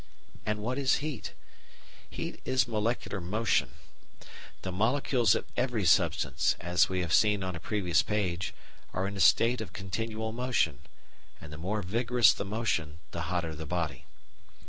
And what is heat? Heat is molecular motion. The molecules of every substance, as we have seen on a previous page, are in a state of continual motion, and the more vigorous the motion the hotter the body.